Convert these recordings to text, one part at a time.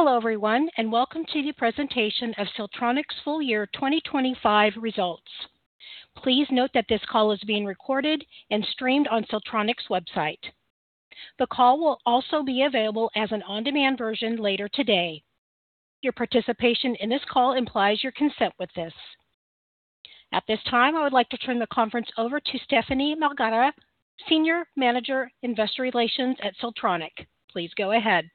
Hello everyone, and welcome to the presentation of Siltronic's Full-Year 2025 Results. Please note that this call is being recorded and streamed on Siltronic's website. The call will also be available as an on-demand version later today. Your participation in this call implies your consent with this. At this time, I would like to turn the conference over to Stephanie Malgara, Senior Manager Investor Relations at Siltronic. Please go ahead.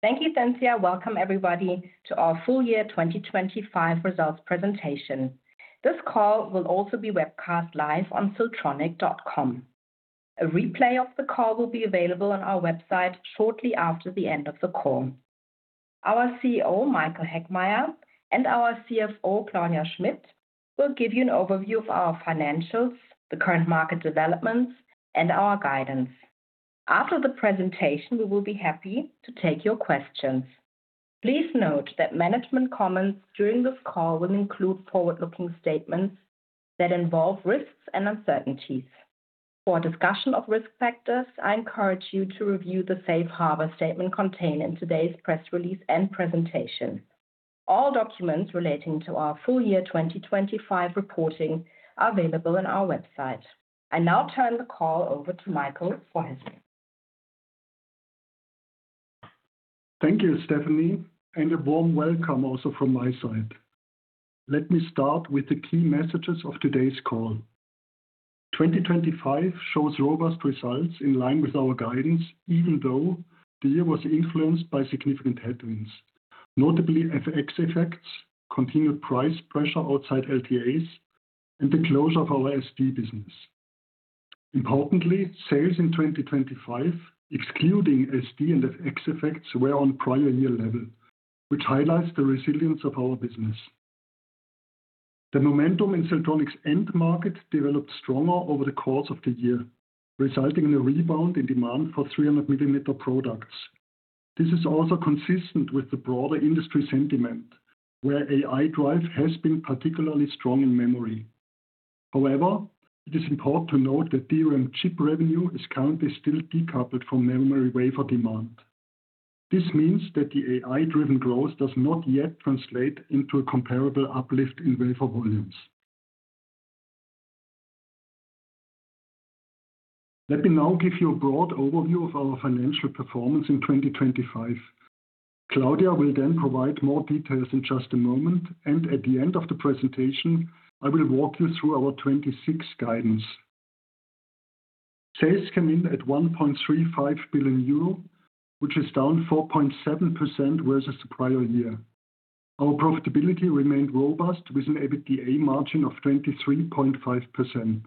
Thank you, Cynthia. Welcome everybody to our full-year 2025 results presentation. This call will also be webcast live on siltronic.com. A replay of the call will be available on our website shortly after the end of the call. Our CEO, Michael Heckmeier, and our CFO, Claudia Schmitt, will give you an overview of our financials, the current market developments, and our guidance. After the presentation, we will be happy to take your questions. Please note that management comments during this call will include forward-looking statements that involve risks and uncertainties. For a discussion of risk factors, I encourage you to review the safe harbor statement contained in today's press release and presentation. All documents relating to our full year 2025 reporting are available on our website. I now turn the call over to Michael for his. Thank you, Stephanie, and a warm welcome also from my side. Let me start with the key messages of today's call. 2025 shows robust results in line with our guidance, even though the year was influenced by significant headwinds, notably FX effects, continued price pressure outside LTAs, and the closure of our SD business. Importantly, sales in 2025, excluding SD and FX effects, were on prior year level, which highlights the resilience of our business. The momentum in Siltronic's end market developed stronger over the course of the year, resulting in a rebound in demand for 300-mm products. This is also consistent with the broader industry sentiment, where AI-driven has been particularly strong in memory. However, it is important to note that DRAM chip revenue is currently still decoupled from memory wafer demand. This means that the AI-driven growth does not yet translate into a comparable uplift in wafer volumes. Let me now give you a broad overview of our financial performance in 2025. Claudia will then provide more details in just a moment, and at the end of the presentation, I will walk you through our 2026 guidance. Sales came in at 1.35 billion euro, which is down 4.7% versus the prior year. Our profitability remained robust with an EBITDA margin of 23.5%.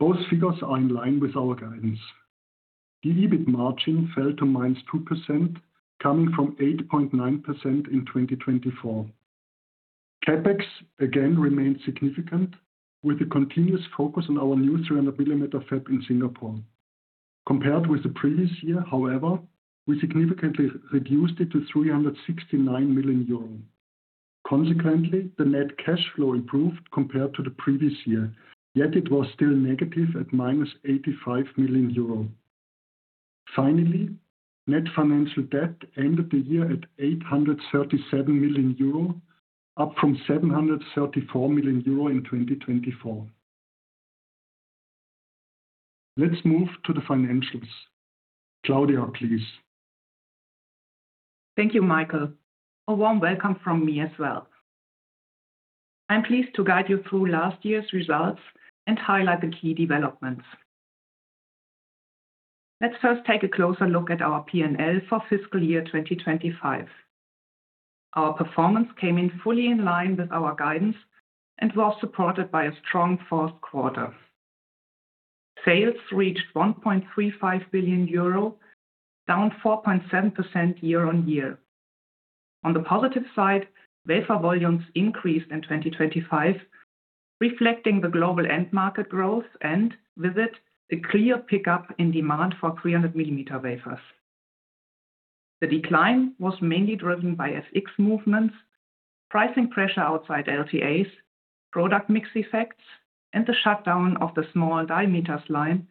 Both figures are in line with our guidance. The EBIT margin fell to -2%, coming from 8.9% in 2024. CapEx again remained significant with the continuous focus on our new 300-mm fab in Singapore. Compared with the previous year, however, we significantly reduced it to 369 million euros. Consequently, the net cash flow improved compared to the previous year, yet it was still negative at -85 million euro. Finally, net financial debt ended the year at 837 million euro, up from 734 million euro in 2024. Let's move to the financials. Claudia, please. Thank you, Michael. A warm welcome from me as well. I'm pleased to guide you through last year's results and highlight the key developments. Let's first take a closer look at our P&L for fiscal year 2025. Our performance came in fully in line with our guidance and was supported by a strong fourth quarter. Sales reached 1.35 billion euro, down 4.7% year-on-year. On the positive side, wafer volumes increased in 2025, reflecting the global end market growth and with it a clear pickup in demand for 300-mm wafers. The decline was mainly driven by FX movements, pricing pressure outside LTAs, product mix effects, and the shutdown of the small diameters line,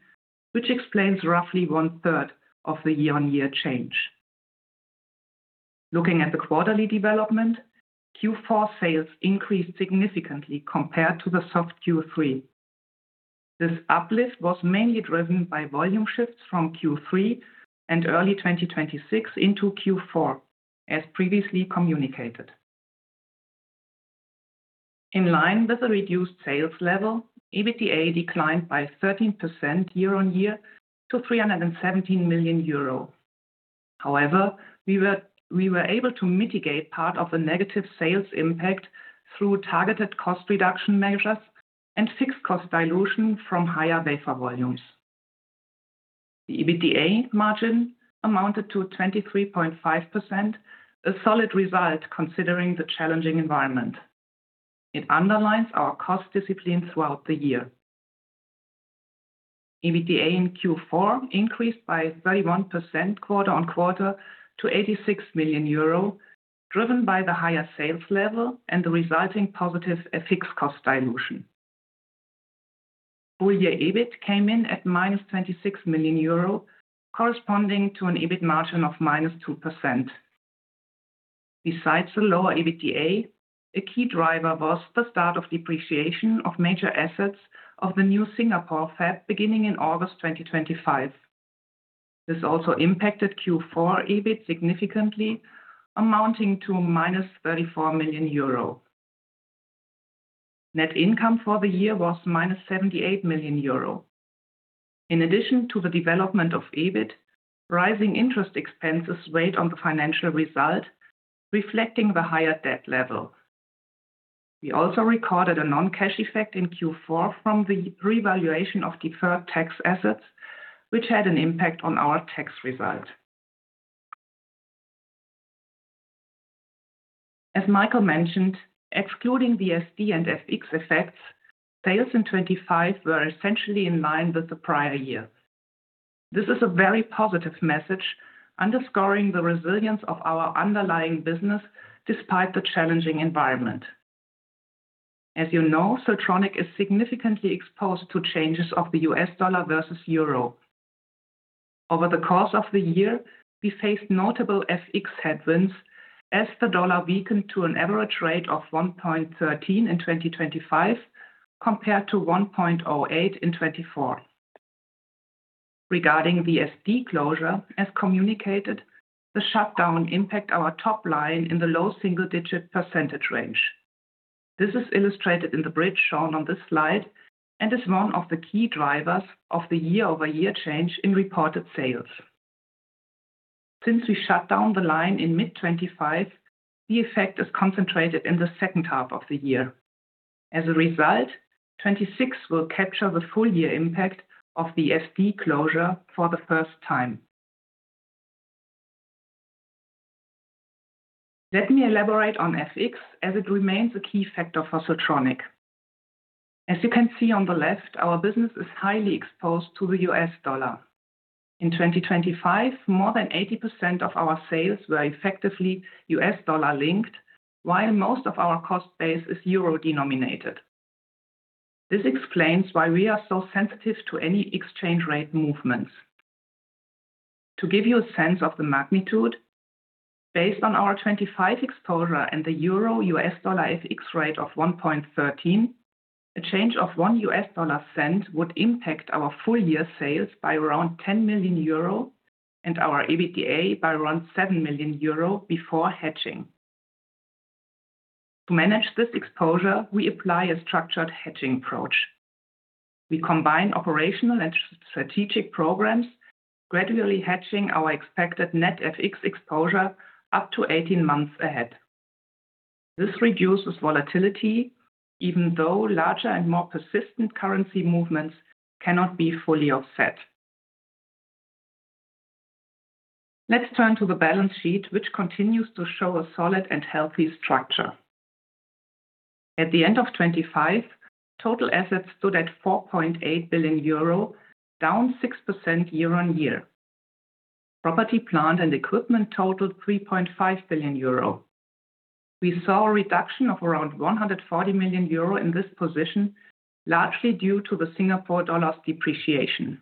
which explains roughly one-third of the year-on-year change. Looking at the quarterly development, Q4 sales increased significantly compared to the soft Q3. This uplift was mainly driven by volume shifts from Q3 and early 2026 into Q4, as previously communicated. In line with the reduced sales level, EBITDA declined by 13% year-on-year to 317 million euro. However, we were able to mitigate part of the negative sales impact through targeted cost reduction measures and fixed cost dilution from higher wafer volumes. The EBITDA margin amounted to 23.5%, a solid result considering the challenging environment. It underlines our cost discipline throughout the year. EBITDA in Q4 increased by 31% quarter-on-quarter to 86 million euro, driven by the higher sales level and the resulting positive FX cost dilution. Full-year EBIT came in at -26 million euro, corresponding to an EBIT margin of -2%. Besides the lower EBITDA, a key driver was the start of depreciation of major assets of the new Singapore fab beginning in August 2025. This also impacted Q4 EBIT significantly, amounting to -34 million euro. Net income for the year was -78 million euro. In addition to the development of EBIT, rising interest expenses weighed on the financial result, reflecting the higher debt level. We also recorded a non-cash effect in Q4 from the revaluation of deferred tax assets, which had an impact on our tax result. As Michael mentioned, excluding the SD and FX effects, sales in 2025 were essentially in line with the prior year. This is a very positive message underscoring the resilience of our underlying business despite the challenging environment. As you know, Siltronic is significantly exposed to changes of the U.S. dollar versus euro. Over the course of the year, we faced notable FX headwinds as the dollar weakened to an average rate of 1.13 in 2025 compared to 1.08 in 2024. Regarding SD closure, as communicated, the shutdown impacts our top line in the low single-digit percentage range. This is illustrated in the bridge shown on this slide and is one of the key drivers of the year-over-year change in reported sales. Since we shut down the line in mid-2025, the effect is concentrated in the second half of the year. As a result, 2026 will capture the full-year impact of the SD closure for the first time. Let me elaborate on FX as it remains a key factor for Siltronic. As you can see on the left, our business is highly exposed to the U.S. dollar. In 2025, more than 80% of our sales were effectively U.S. dollar-linked, while most of our cost base is euro-denominated. This explains why we are so sensitive to any exchange rate movements. To give you a sense of the magnitude, based on our 2025 exposure and the euro-USD FX rate of 1.13, a change of $0.01 would impact our full-year sales by around 10 million euro and our EBITDA by around 7 million euro before hedging. To manage this exposure, we apply a structured hedging approach. We combine operational and strategic programs, gradually hedging our expected net FX exposure up to 18 months ahead. This reduces volatility, even though larger and more persistent currency movements cannot be fully offset. Let's turn to the balance sheet, which continues to show a solid and healthy structure. At the end of 2025, total assets stood at 4.8 billion euro, down 6% year-on-year. Property, plant, and equipment totaled 3.5 billion euro. We saw a reduction of around 140 million euro in this position, largely due to the Singapore dollar's depreciation.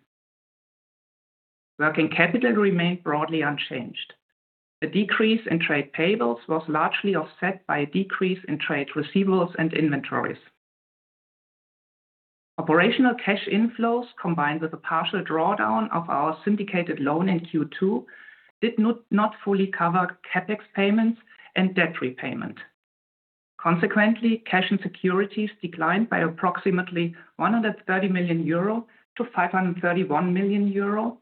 Working capital remained broadly unchanged. The decrease in trade payables was largely offset by a decrease in trade receivables and inventories. Operational cash inflows, combined with a partial drawdown of our syndicated loan in Q2, did not fully cover CapEx payments and debt repayment. Consequently, cash and securities declined by approximately 130 million euro to 531 million euro,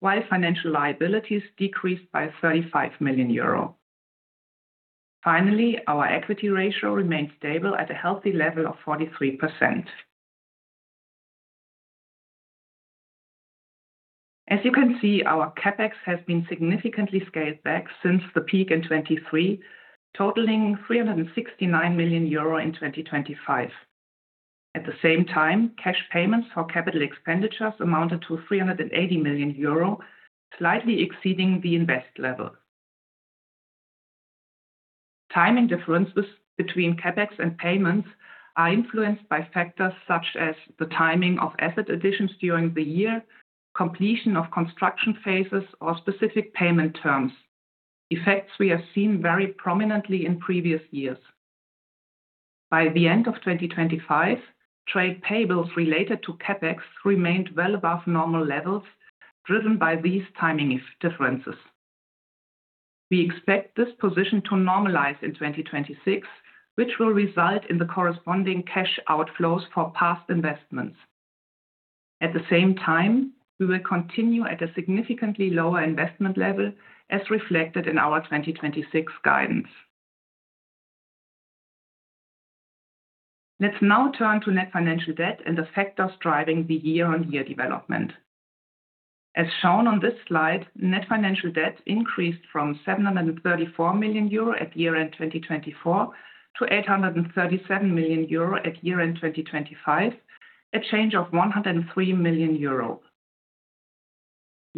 while financial liabilities decreased by 35 million euro. Finally, our equity ratio remained stable at a healthy level of 43%. As you can see, our CapEx has been significantly scaled back since the peak in 2023, totaling 369 million euro in 2025. At the same time, cash payments for capital expenditures amounted to 380 million euro, slightly exceeding the invest level. Timing differences between CapEx and payments are influenced by factors such as the timing of asset additions during the year, completion of construction phases, or specific payment terms, effects we have seen very prominently in previous years. By the end of 2025, trade payables related to CapEx remained well above normal levels, driven by these timing differences. We expect this position to normalize in 2026, which will result in the corresponding cash outflows for past investments. At the same time, we will continue at a significantly lower investment level, as reflected in our 2026 guidance. Let's now turn to net financial debt and the factors driving the year-on-year development. As shown on this slide, net financial debt increased from 734 million euro at year-end 2024 to 837 million euro at year-end 2025, a change of 103 million euro. We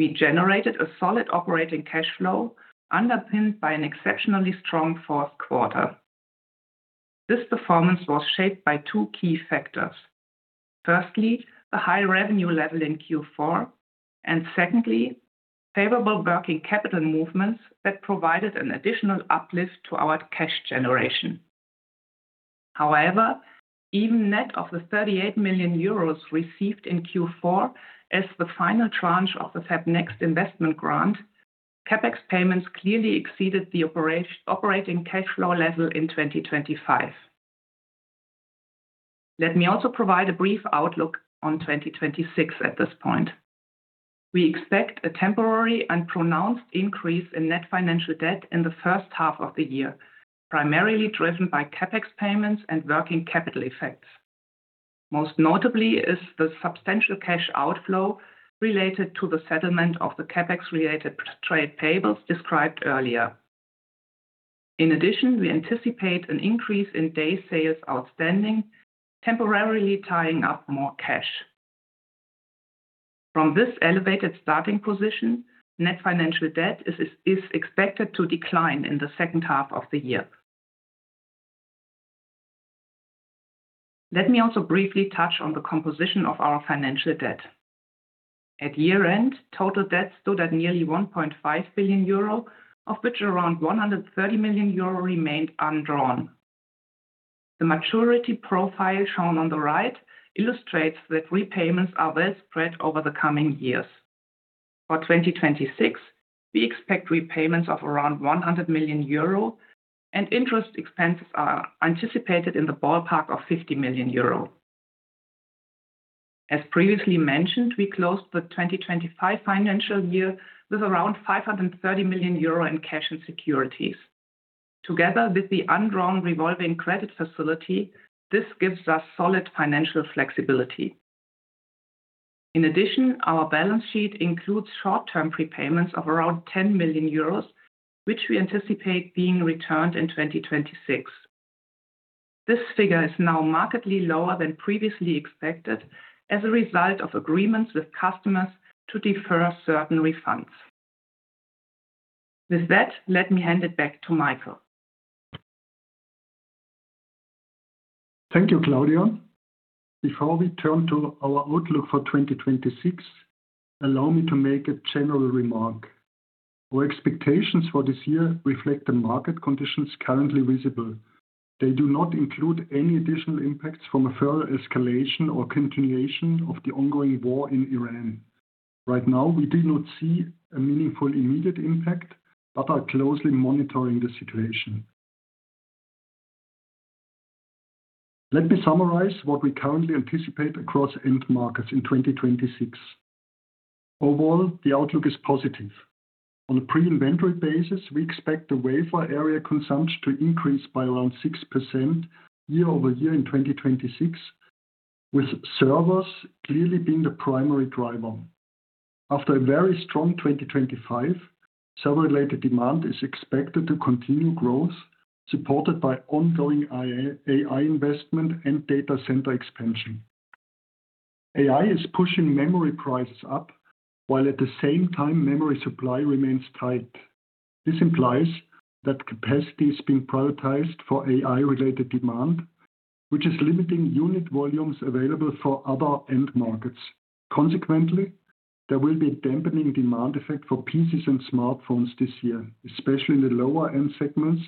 generated a solid operating cash flow underpinned by an exceptionally strong fourth quarter. This performance was shaped by two key factors. Firstly, a high revenue level in Q4, and secondly, favorable working capital movements that provided an additional uplift to our cash generation. However, even net of the 38 million euros received in Q4 as the final tranche of the FabNext investment grant, CapEx payments clearly exceeded the operating cash flow level in 2025. Let me also provide a brief outlook on 2026 at this point. We expect a temporary and pronounced increase in net financial debt in the first half of the year, primarily driven by CapEx payments and working capital effects. Most notably is the substantial cash outflow related to the settlement of the CapEx-related trade payables described earlier. In addition, we anticipate an increase in day sales outstanding, temporarily tying up more cash. From this elevated starting position, net financial debt is expected to decline in the second half of the year. Let me also briefly touch on the composition of our financial debt. At year-end, total debt stood at nearly 1.5 billion euro, of which around 130 million euro remained undrawn. The maturity profile shown on the right illustrates that repayments are well spread over the coming years. For 2026, we expect repayments of around 100 million euro and interest expenses are anticipated in the ballpark of 50 million euro. As previously mentioned, we closed the 2025 financial year with around 530 million euro in cash and securities. Together with the undrawn revolving credit facility, this gives us solid financial flexibility. In addition, our balance sheet includes short-term prepayments of around 10 million euros, which we anticipate being returned in 2026. This figure is now markedly lower than previously expected as a result of agreements with customers to defer certain refunds. With that, let me hand it back to Michael. Thank you, Claudia. Before we turn to our outlook for 2026, allow me to make a general remark. Our expectations for this year reflect the market conditions currently visible. They do not include any additional impacts from a further escalation or continuation of the ongoing war in Iran. Right now, we do not see a meaningful immediate impact, but are closely monitoring the situation. Let me summarize what we currently anticipate across end markets in 2026. Overall, the outlook is positive. On a pre-inventory basis, we expect the wafer area consumption to increase by around 6% year-over-year in 2026, with servers clearly being the primary driver. After a very strong 2025, server-related demand is expected to continue growth, supported by ongoing AI investment and data center expansion. AI is pushing memory prices up, while at the same time memory supply remains tight. This implies that capacity is being prioritized for AI-related demand, which is limiting unit volumes available for other end markets. Consequently, there will be a dampening demand effect for PCs and smartphones this year, especially in the lower end segments,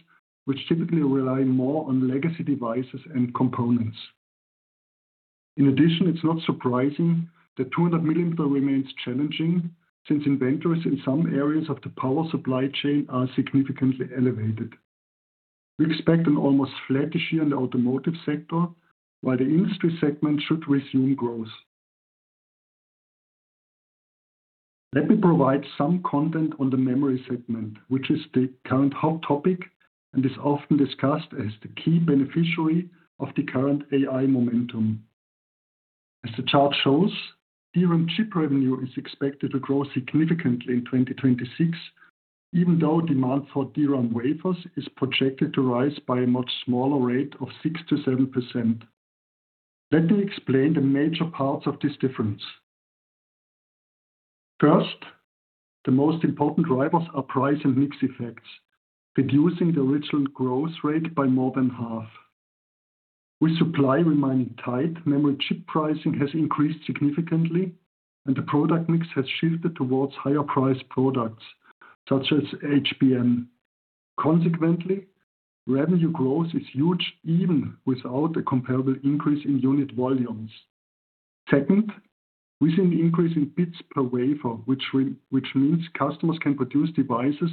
which typically rely more on legacy devices and components. In addition, it's not surprising that 200 millimeter remains challenging since inventories in some areas of the power supply chain are significantly elevated. We expect an almost flattish year in the automotive sector, while the industry segment should resume growth. Let me provide some content on the memory segment, which is the current hot topic and is often discussed as the key beneficiary of the current AI momentum. As the chart shows, DRAM chip revenue is expected to grow significantly in 2026, even though demand for DRAM wafers is projected to rise by a much smaller rate of 6%-7%. Let me explain the major parts of this difference. First, the most important drivers are price and mix effects, reducing the original growth rate by more than half. With supply remaining tight, memory chip pricing has increased significantly, and the product mix has shifted towards higher priced products, such as HBM. Consequently, revenue growth is huge even without a comparable increase in unit volumes. Second, we see an increase in bits per wafer, which means customers can produce devices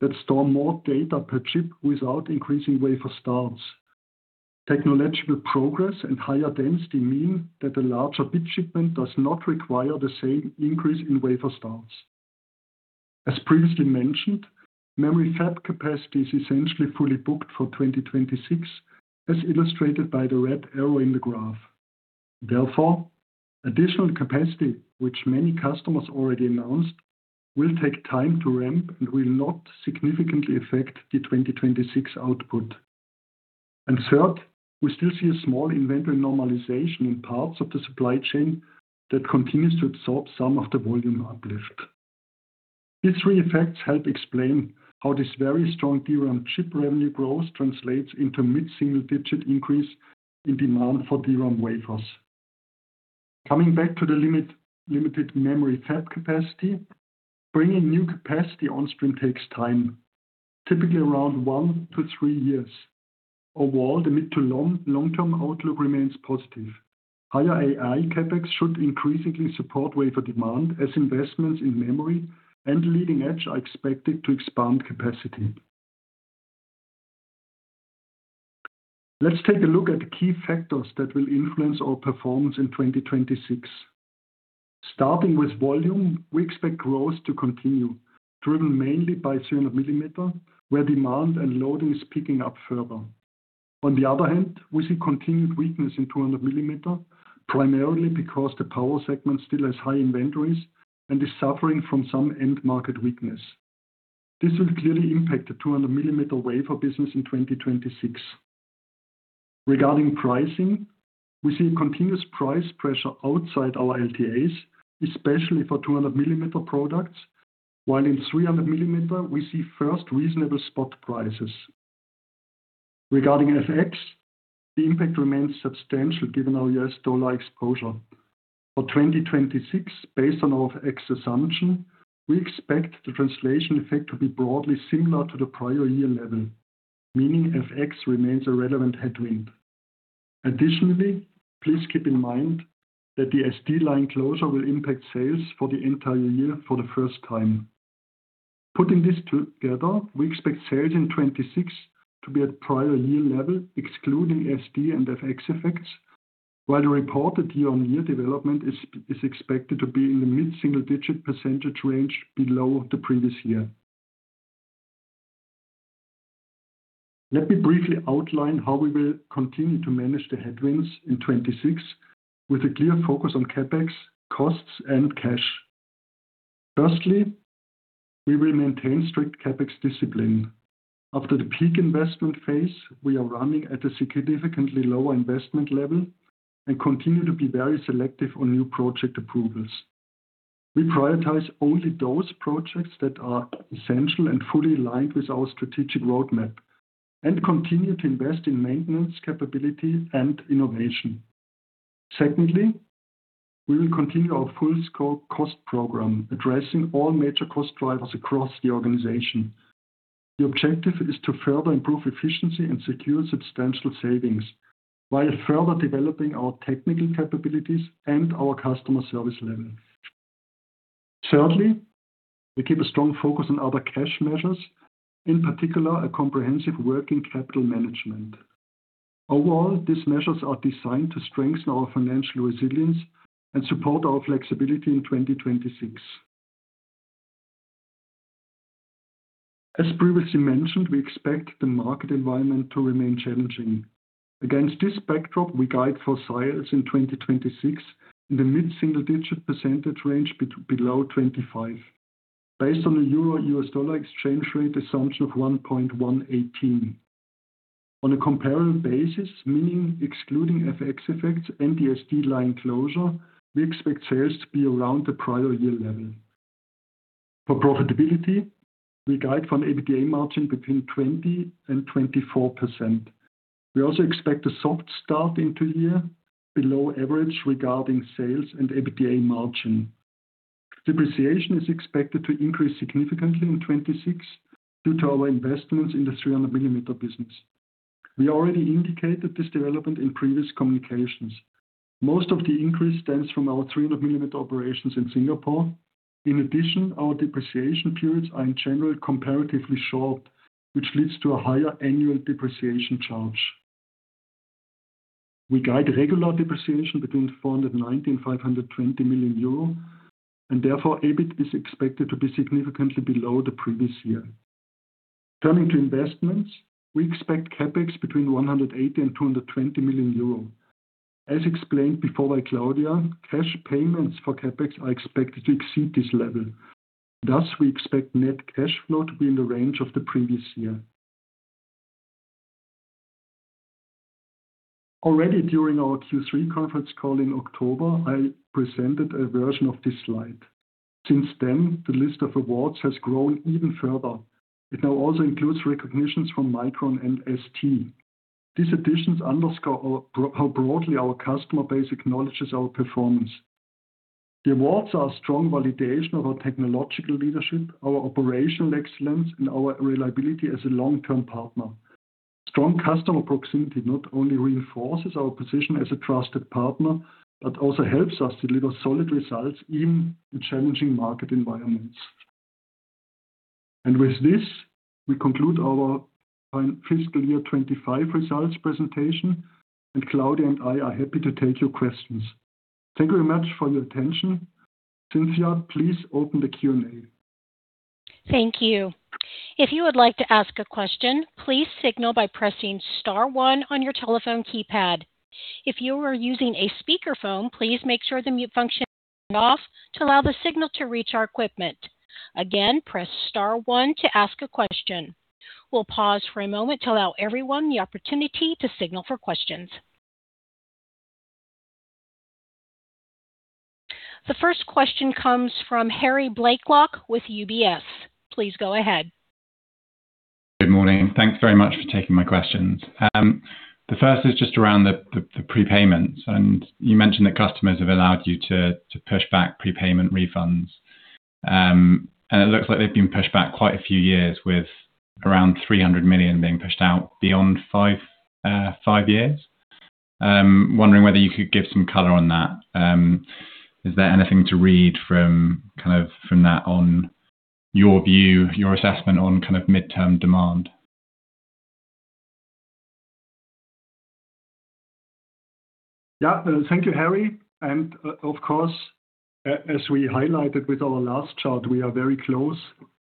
that store more data per chip without increasing wafer starts. Technological progress and higher density mean that the larger bit shipment does not require the same increase in wafer starts. As previously mentioned, memory fab capacity is essentially fully booked for 2026, as illustrated by the red arrow in the graph. Therefore, additional capacity, which many customers already announced, will take time to ramp and will not significantly affect the 2026 output. Third, we still see a small inventory normalization in parts of the supply chain that continues to absorb some of the volume uplift. These three effects help explain how this very strong DRAM chip revenue growth translates into mid-single-digit increase in demand for DRAM wafers. Coming back to the limited memory fab capacity, bringing new capacity on stream takes time, typically around one to three years. Overall, the mid- to long-term outlook remains positive. Higher AI CapEx should increasingly support wafer demand as investments in memory and leading-edge are expected to expand capacity. Let's take a look at the key factors that will influence our performance in 2026. Starting with volume, we expect growth to continue, driven mainly by 300-mm, where demand and loading is picking up further. On the other hand, we see continued weakness in 200-mm, primarily because the power segment still has high inventories and is suffering from some end-market weakness. This will clearly impact the 200-mm wafer business in 2026. Regarding pricing, we see continuous price pressure outside our LTAs, especially for 200-mm products, while in 300-mm, we see first reasonable spot prices. Regarding FX, the impact remains substantial given our U.S. dollar exposure. For 2026, based on our FX assumption, we expect the translation effect to be broadly similar to the prior year level, meaning FX remains a relevant headwind. Additionally, please keep in mind that the SD line closure will impact sales for the entire year for the first time. Putting this together, we expect sales in 2026 to be at prior year level, excluding SD and FX effects, while the reported year-on-year development is expected to be in the mid-single-digit percentage range below the previous year. Let me briefly outline how we will continue to manage the headwinds in 2026 with a clear focus on CapEx, costs, and cash. Firstly, we will maintain strict CapEx discipline. After the peak investment phase, we are running at a significantly lower investment level and continue to be very selective on new project approvals. We prioritize only those projects that are essential and fully aligned with our strategic roadmap and continue to invest in maintenance capability and innovation. Secondly, we will continue our full-scope cost program, addressing all major cost drivers across the organization. The objective is to further improve efficiency and secure substantial savings while further developing our technical capabilities and our customer service level. Thirdly, we keep a strong focus on other cash measures, in particular a comprehensive working capital management. Overall, these measures are designed to strengthen our financial resilience and support our flexibility in 2026. As previously mentioned, we expect the market environment to remain challenging. Against this backdrop, we guide for sales in 2026 in the mid-single-digit percentage range below 25 based on a euro-U.S. dollar exchange rate assumption of 1.118. On a comparable basis, meaning excluding FX effects and the SD line closure, we expect sales to be around the prior year level. For profitability, we guide for an EBITDA margin between 20% and 24%. We expect a soft start in 2024 below average regarding sales and EBITDA margin. Depreciation is expected to increase significantly in 2026 due to our investments in the 300-mm business. We already indicated this development in previous communications. Most of the increase stems from our 300-mm operations in Singapore. In addition, our depreciation periods are in general comparatively short, which leads to a higher annual depreciation charge. We guide regular depreciation between 490 million and 520 million euro, and therefore, EBIT is expected to be significantly below the previous year. Turning to investments, we expect CapEx between 108 million and 220 million euros. As explained before by Claudia, cash payments for CapEx are expected to exceed this level. Thus, we expect net cash flow to be in the range of the previous year. Already during our Q3 conference call in October, I presented a version of this slide. Since then, the list of awards has grown even further. It now also includes recognitions from Micron and ST. These additions underscore how broadly our customer base acknowledges our performance. The awards are a strong validation of our technological leadership, our operational excellence, and our reliability as a long-term partner. Strong customer proximity not only reinforces our position as a trusted partner, but also helps us deliver solid results in challenging market environments. With this, we conclude our fiscal year 2025 results presentation, and Claudia and I are happy to take your questions. Thank you very much for your attention. Cynthia, please open the Q&A. Thank you. If you would like to ask a question, please signal by pressing star one on your telephone keypad. If you are using a speakerphone, please make sure the mute function is turned off to allow the signal to reach our equipment. Again, press star one to ask a question. We'll pause for a moment to allow everyone the opportunity to signal for questions. The first question comes from Harry Blaiklock with UBS. Please go ahead. Good morning. Thanks very much for taking my questions. The first is just around the prepayments. You mentioned that customers have allowed you to push back prepayment refunds. It looks like they've been pushed back quite a few years with around 300 million being pushed out beyond five years. Wondering whether you could give some color on that. Is there anything to read from, kind of from that on your view, your assessment on kind of midterm demand? Yeah. Thank you, Harry. Of course, as we highlighted with our last chart, we are very close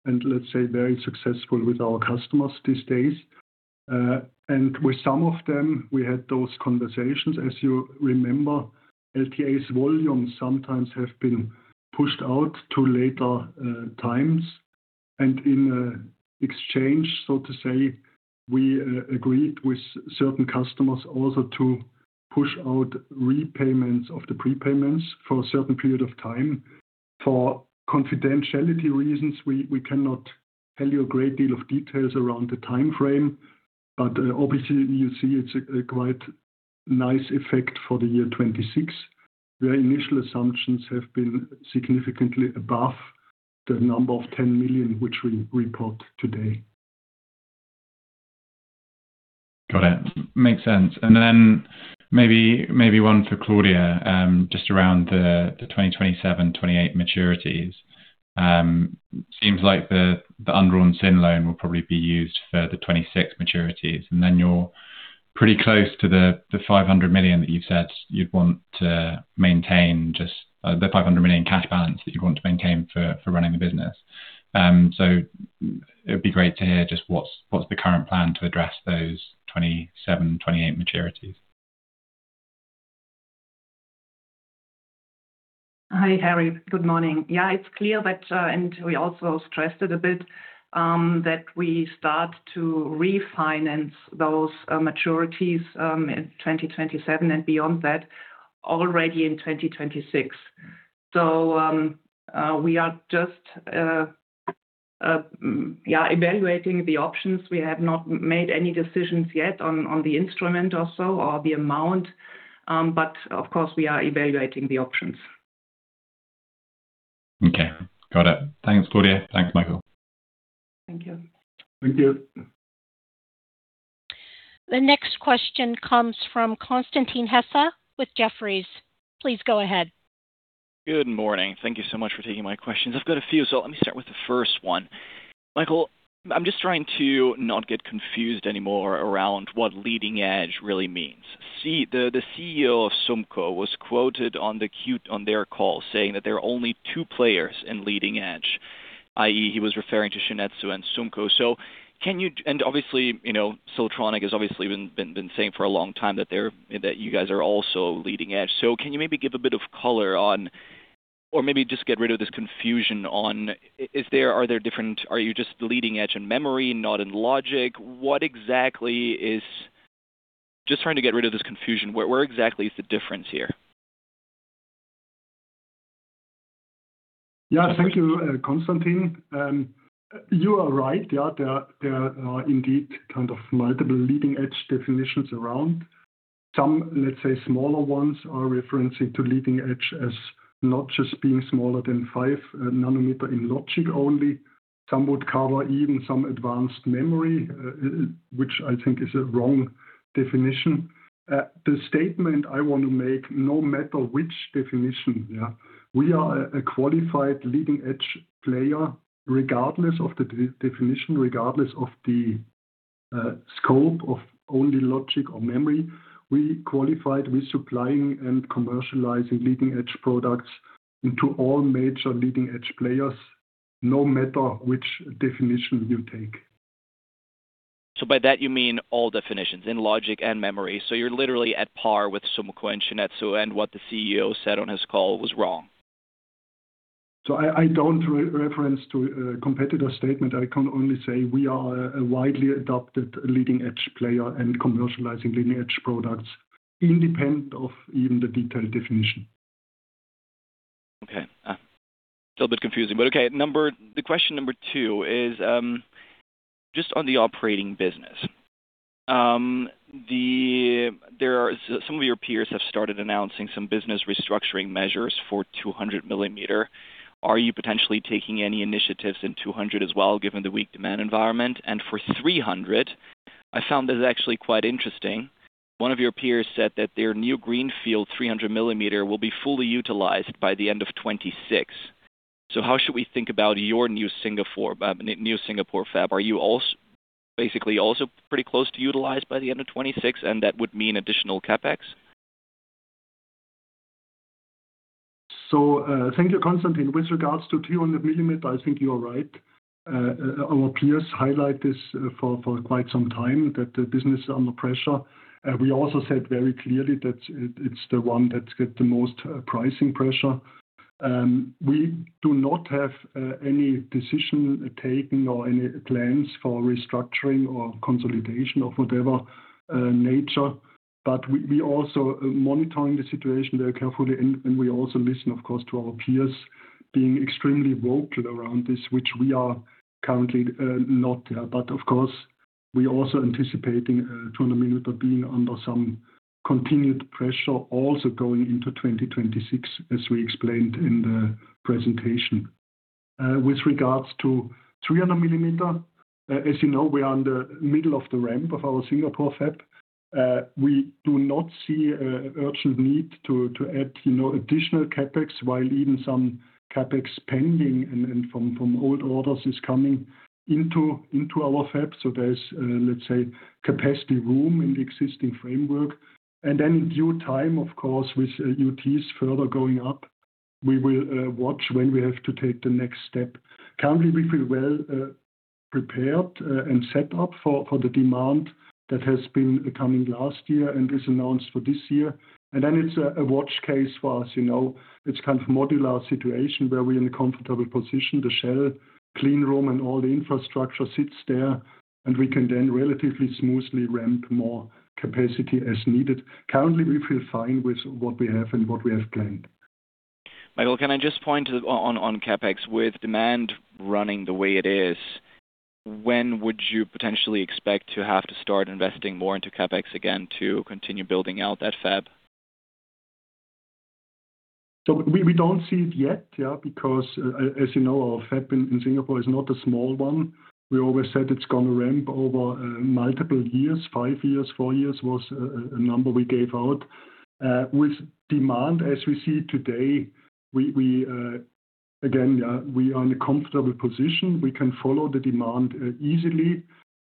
and let's say very successful with our customers these days. With some of them, we had those conversations. As you remember, LTA's volumes sometimes have been pushed out to later times. In exchange, so to say, we agreed with certain customers also to push out repayments of the prepayments for a certain period of time. For confidentiality reasons, we cannot tell you a great deal of details around the timeframe, but obviously you see it's a quite nice effect for the year 2026, where initial assumptions have been significantly above the number of 10 million, which we report today. Got it. Makes sense. Then maybe one for Claudia, just around the 2027, 2028 maturities. Seems like the undrawn syndicated loan will probably be used for the 2026 maturities, and then you're pretty close to the 500 million that you said you'd want to maintain, just the 500 million cash balance that you'd want to maintain for running the business. It would be great to hear just what's the current plan to address those 2027, 2028 maturities. Hi, Harry. Good morning. Yeah, it's clear that we also stressed it a bit that we start to refinance those maturities in 2027 and beyond that already in 2026. We are just evaluating the options. We have not made any decisions yet on the instrument also or the amount. Of course we are evaluating the options. Okay. Got it. Thanks, Claudia. Thanks, Michael. Thank you. Thank you. The next question comes from Constantin Hesse with Jefferies. Please go ahead. Good morning. Thank you so much for taking my questions. I've got a few, so let me start with the first one. Michael, I'm just trying to not get confused anymore around what leading edge really means. The CEO of Sumco was quoted on their call saying that there are only two players in leading edge, i.e., he was referring to Shin-Etsu and Sumco. Obviously, you know, Siltronic has obviously been saying for a long time that you guys are also leading edge. Can you maybe give a bit of color on or maybe just get rid of this confusion on is there different? Are you just the leading edge in memory, not in logic? What exactly is. Just trying to get rid of this confusion. Where exactly is the difference here? Yeah. Thank you, Constantin. You are right. Yeah, there are indeed kind of multiple leading edge definitions around. Some, let's say, smaller ones are referencing to leading edge as not just being smaller than 5 nanometer in logic only. Some would cover even some advanced memory, which I think is a wrong definition. The statement I want to make, no matter which definition, yeah. We are a qualified leading edge player regardless of the definition, regardless of the scope of only logic or memory. We qualified, we're supplying and commercializing leading edge products into all major leading edge players, no matter which definition you take. By that you mean all definitions in logic and memory. You're literally at par with Sumco and Shin-Etsu, and what the CEO said on his call was wrong. I don't reference to a competitor statement. I can only say we are a widely adopted leading edge player and commercializing leading edge products independent of even the detailed definition. Okay. Still a bit confusing, but okay. The question number two is just on the operating business. Some of your peers have started announcing some business restructuring measures for 200 millimeter. Are you potentially taking any initiatives in 200 as well, given the weak demand environment? For 300, I found this actually quite interesting. One of your peers said that their new greenfield 300 millimeter will be fully utilized by the end of 2026. How should we think about your new Singapore fab? Are you basically also pretty close to utilized by the end of 2026, and that would mean additional CapEx? Thank you, Constantin Hesse. With regards to 200 millimeter, I think you are right. Our peers highlight this for quite some time that the business is under pressure. We also said very clearly that it's the one that get the most pricing pressure. We do not have any decision taken or any plans for restructuring or consolidation of whatever nature, but we also monitoring the situation very carefully and we also listen, of course, to our peers being extremely vocal around this, which we are currently not. But of course, we also anticipating 200 millimeter being under some continued pressure also going into 2026, as we explained in the presentation. With regards to 300 millimeter, as you know, we are on the middle of the ramp of our Singapore fab. We do not see an urgent need to add, you know, additional CapEx while even some CapEx pending and from old orders is coming into our fab. There's, let's say, capacity room in the existing framework. In due time, of course, with UTs further going up, we will watch when we have to take the next step. Currently, we feel well prepared and set up for the demand that has been coming last year and is announced for this year. It's a watch case for us, you know. It's kind of modular situation where we're in a comfortable position. The shell, clean room and all the infrastructure sits there, and we can then relatively smoothly ramp more capacity as needed. Currently, we feel fine with what we have and what we have planned. Michael, can I just point on CapEx, with demand running the way it is, when would you potentially expect to have to start investing more into CapEx again to continue building out that fab? We don't see it yet, yeah. Because as you know, our fab in Singapore is not a small one. We always said it's gonna ramp over multiple years. 5 years, 4 years was a number we gave out. With demand as we see today, we again, yeah, we are in a comfortable position. We can follow the demand easily.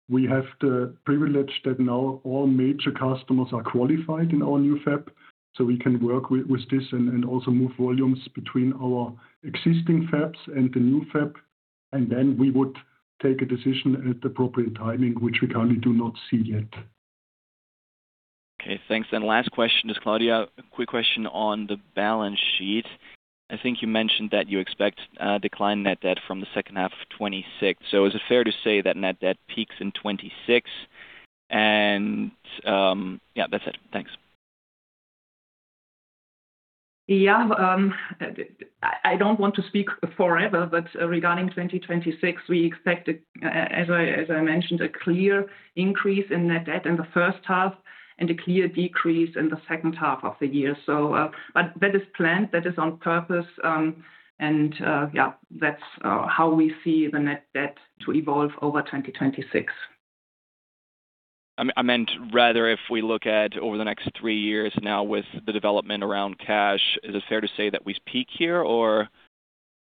We have the privilege that now all major customers are qualified in our new fab, so we can work with this and also move volumes between our existing fabs and the new fab. Then we would take a decision at the appropriate timing, which we currently do not see yet. Thanks. Last question for Claudia. A quick question on the balance sheet. I think you mentioned that you expect a decline in net debt from the second half of 2026. Is it fair to say that net debt peaks in 2026 and yeah, that's it. Thanks. I don't want to speak forever, but regarding 2026, we expect, as I mentioned, a clear increase in net debt in the first half and a clear decrease in the second half of the year. That is planned, that is on purpose. That's how we see the net debt to evolve over 2026. I meant rather if we look over the next three years now with the development around cash, is it fair to say that we peak here, or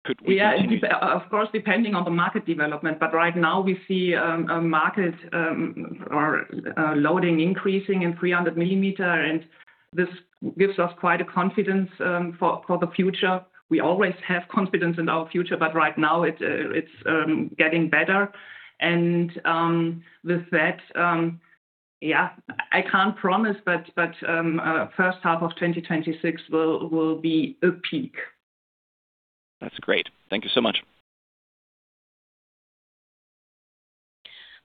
could we continue? Yeah. Of course, depending on the market development. Right now we see a market or loading increasing in 300 millimeter, and this gives us quite a confidence for the future. We always have confidence in our future, but right now it's getting better. With that, I can't promise, but first half of 2026 will be a peak. That's great. Thank you so much.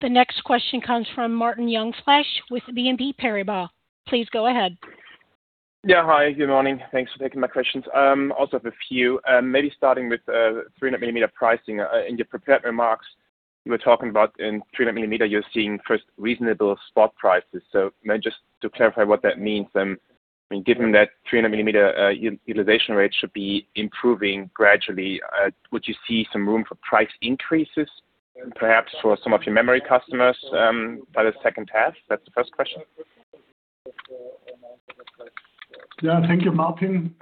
The next question comes from Martin Jungfleisch with BNP Paribas. Please go ahead. Yeah. Hi. Good morning. Thanks for taking my questions. Also have a few. Maybe starting with 300 millimeter pricing. In your prepared remarks, you were talking about in 300 millimeter, you're seeing first reasonable spot prices. Maybe just to clarify what that means then, I mean, given that 300 millimeter utilization rate should be improving gradually, would you see some room for price increases perhaps for some of your memory customers by the second half? That's the first question. Yeah. Thank you, Martin.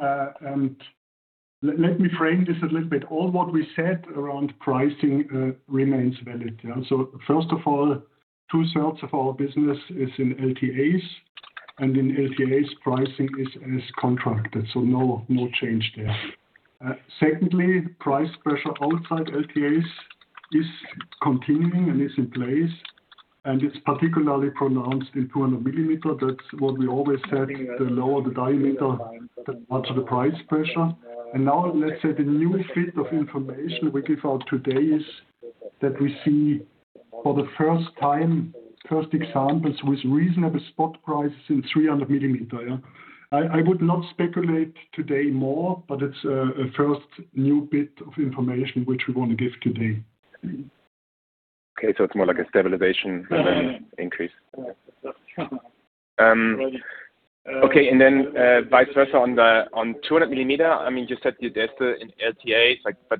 Let me frame this a little bit. All what we said around pricing remains valid, yeah? First of all, two-thirds of our business is in LTAs, and in LTAs pricing is as contracted, so no change there. Secondly, price pressure outside LTAs is continuing and is in place, and it's particularly pronounced in 200 millimeter. That's what we always said, the lower the diameter, the more the price pressure. Now let's say the new bit of information we give out today is that we see for the first time examples with reasonable spot prices in 300 millimeter, yeah. I would not speculate today more, but it's a first new bit of information which we want to give today. Okay. It's more like a stabilization rather than increase. Okay. Vice versa on 200 millimeter. I mean, you said there's still in LTAs like, but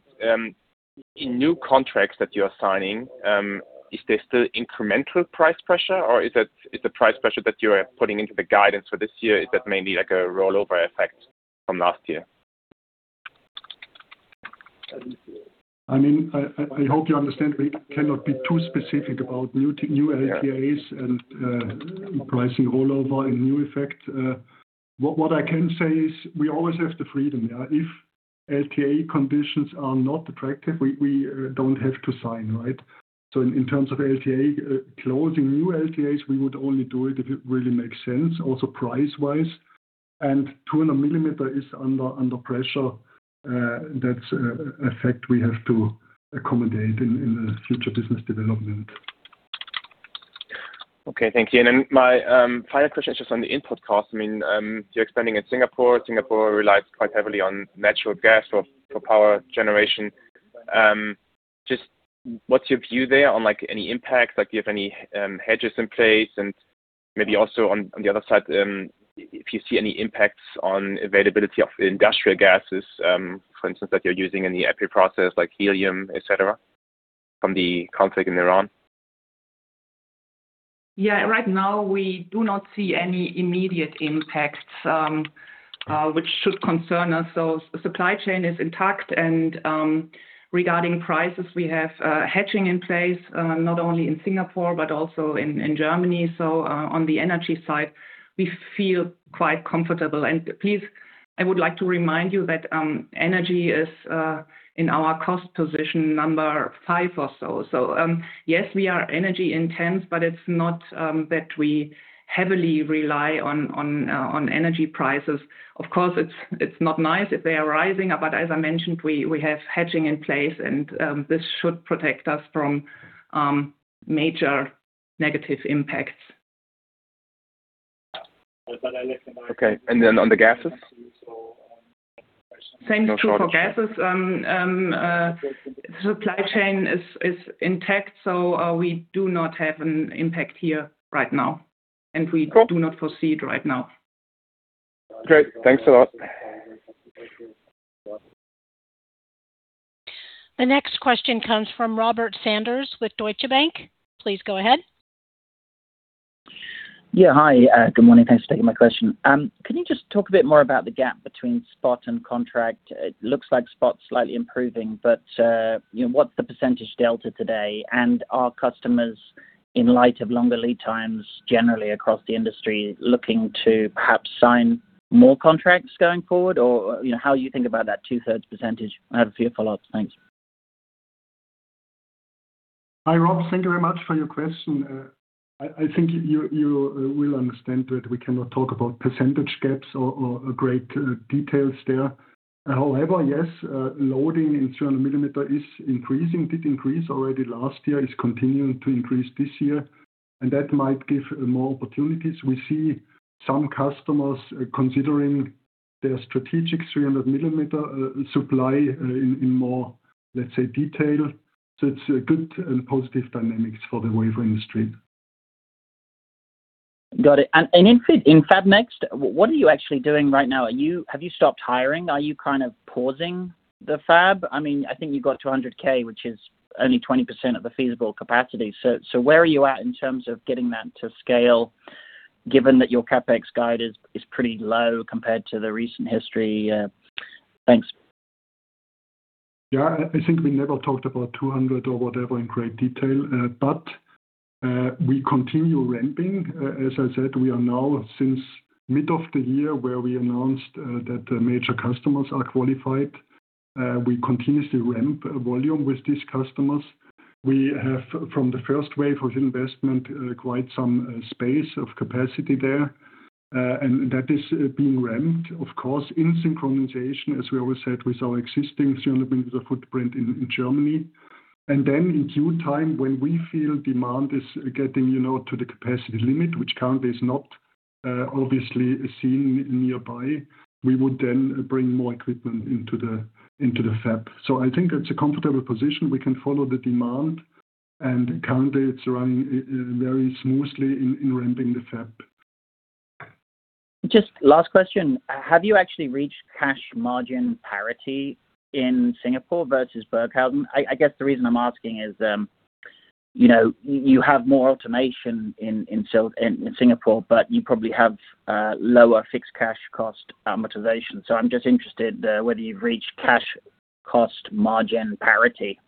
in new contracts that you are signing, is there still incremental price pressure, or is that, is the price pressure that you are putting into the guidance for this year, is that mainly like a rollover effect from last year? I mean, I hope you understand we cannot be too specific about new LTAs and pricing rollover and new effect. What I can say is we always have the freedom. Yeah. If LTA conditions are not attractive, we don't have to sign, right? In terms of LTA, closing new LTAs, we would only do it if it really makes sense, also price-wise. 200 millimeter is under pressure. That's an effect we have to accommodate in the future business development. Okay. Thank you. My final question is just on the input cost. I mean, you're expanding in Singapore. Singapore relies quite heavily on natural gas for power generation. Just what's your view there on, like, any impacts? Like, do you have any hedges in place? And maybe also on the other side, if you see any impacts on availability of industrial gases, for instance, that you're using in the epi process like helium, et cetera, from the conflict in Ukraine. Yeah. Right now, we do not see any immediate impacts, which should concern us. Supply chain is intact, and, regarding prices, we have hedging in place, not only in Singapore but also in Germany. On the energy side, we feel quite comfortable. Please, I would like to remind you that, energy is in our cost position number five or so. Yes, we are energy intensive, but it's not that we heavily rely on energy prices. Of course, it's not nice if they are rising, but as I mentioned, we have hedging in place and, this should protect us from major negative impacts. Okay. On the gases? Same is true for gases. Supply chain is intact, so we do not have an impact here right now, and we- Cool. Do not foresee it right now. Great. Thanks a lot. The next question comes from Robert Sanders with Deutsche Bank. Please go ahead. Yeah. Hi, good morning. Thanks for taking my question. Can you just talk a bit more about the gap between spot and contract? It looks like spot's slightly improving, but you know, what's the percentage delta today? And are customers, in light of longer lead times generally across the industry, looking to perhaps sign more contracts going forward? Or, you know, how you think about that two-thirds percentage? I have a few follow-ups. Thanks. Hi, Rob. Thank you very much for your question. I think you will understand that we cannot talk about percentage gaps or great details there. However, yes, loading in 200 millimeter is increasing. It did increase already last year. It's continuing to increase this year, and that might give more opportunities. We see some customers considering their strategic 300 millimeter supply in more, let's say, detail. It's a good and positive dynamics for the wafer industry. Got it. In FabNext, what are you actually doing right now? Have you stopped hiring? Are you kind of pausing FabNext? I mean, I think you got to 200K, which is only 20% of the feasible capacity. Where are you at in terms of getting that to scale, given that your CapEx guide is pretty low compared to the recent history? Thanks. Yeah. I think we never talked about 200 or whatever in great detail. We continue ramping. As I said, we are now since mid of the year where we announced that the major customers are qualified. We continuously ramp volume with these customers. We have, from the first wafer investment, quite some space of capacity there. That is being ramped, of course, in synchronization, as we always said, with our existing 300 millimeter footprint in Germany. Then in due time, when we feel demand is getting, you know, to the capacity limit, which currently is not obviously seen nearby, we would then bring more equipment into the fab. I think it's a comfortable position. We can follow the demand, and currently it's running very smoothly in ramping the fab. Just last question. Have you actually reached cash margin parity in Singapore versus Burghausen? I guess the reason I'm asking is, you know, you have more automation in Singapore, but you probably have lower fixed cash cost amortization. So I'm just interested whether you've reached cash cost margin parity.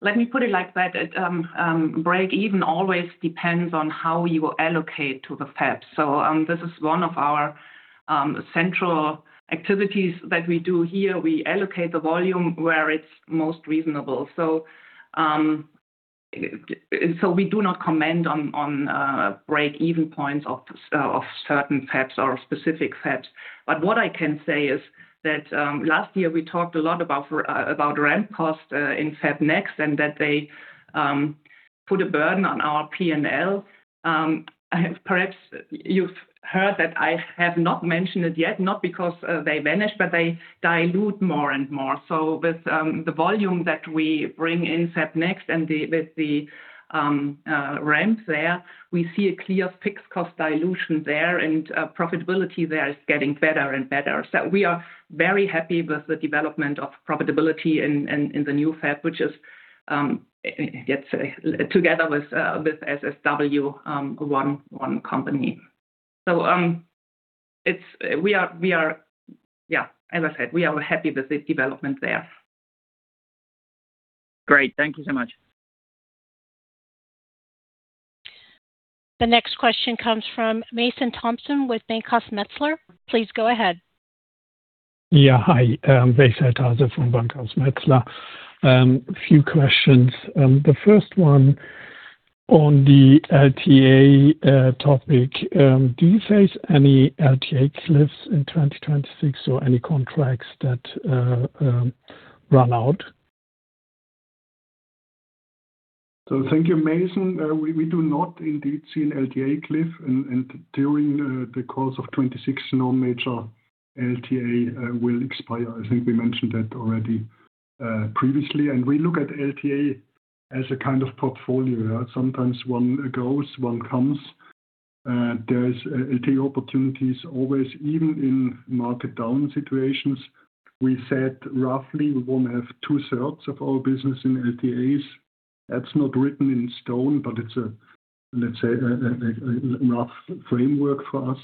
Let me put it like that. Breakeven always depends on how you allocate to the fab. This is one of our central activities that we do here. We allocate the volume where it's most reasonable. We do not comment on breakeven points of certain fabs or specific fabs. What I can say is that last year we talked a lot about ramp cost in FabNext, and that they put a burden on our P&L. Perhaps you've heard that I have not mentioned it yet, not because they vanished, but they dilute more and more. With the volume that we bring in FabNext and with the ramps there, we see a clear fixed cost dilution there, and profitability there is getting better and better. We are very happy with the development of profitability in the new fab, which is, let's say, together with SSW, one company. Yeah, as I said, we are happy with the development there. Great. Thank you so much. The next question comes from [Mason Thompson] with Bankhaus Metzler. Please go ahead. Yeah. Hi, [Mason Thompson] from Bankhaus Metzler. A few questions. The first one on the LTA topic. Do you face any LTA cliffs in 2026 or any contracts that run out? Thank you, Mason. We do not indeed see an LTA cliff and during the course of 2026, no major LTA will expire. I think we mentioned that already previously. We look at LTA as a kind of portfolio. Sometimes one goes, one comes. There's LTA opportunities always, even in market down situations. We said roughly we want to have two-thirds of our business in LTAs. That's not written in stone, but it's a, let's say, a rough framework for us.